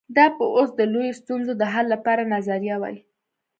دا به اوس د لویو ستونزو د حل لپاره نظریه وای.